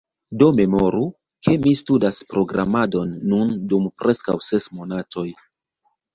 Do memoru, ke mi studas programadon nun dum preskaŭ ses monatoj.